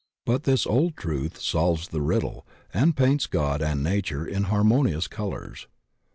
But this old truth solves the riddle and paints God and Nature in harmonious colors.